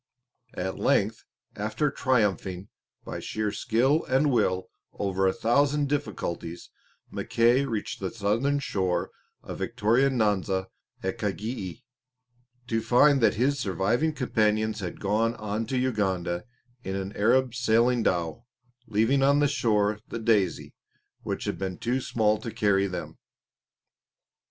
At length, after triumphing by sheer skill and will over a thousand difficulties, Mackay reached the southern shore of Victoria Nyanza at Kagei, to find that his surviving companions had gone on to Uganda in an Arab sailing dhow, leaving on the shore the Daisy, which had been too small to carry them.